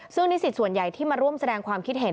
ซึ่งนิสิตส่วนใหญ่ที่มาร่วมแสดงความคิดเห็น